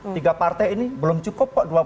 tiga partai ini belum cukup kok dua puluh